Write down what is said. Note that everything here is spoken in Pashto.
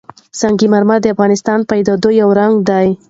سنگ مرمر د افغانستان د طبیعي پدیدو یو رنګ دی.